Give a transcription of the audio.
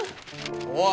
おい。